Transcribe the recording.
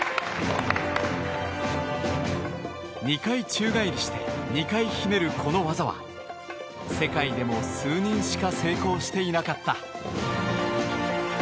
２回宙返りして２回ひねるこの技は世界でも数人しか成功していなかった。